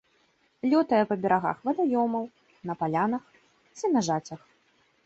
Лётае па берагах вадаёмаў, на палянах, сенажацях.